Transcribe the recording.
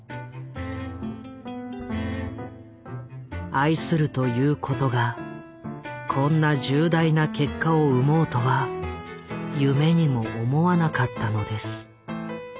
「愛するということがこんな重大な結果を生もうとは夢にも思わなかったのです」。